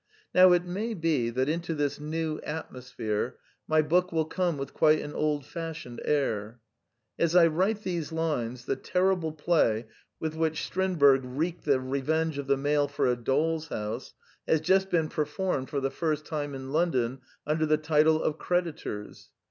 Now it may be that into this new atmosphere my book will come with quite an old fashioned air. As I write these lines the terrible play with which Strindberg wreaked the revenge of the male for A Doll's House has just been performed for the first time in London under the title of Creditors.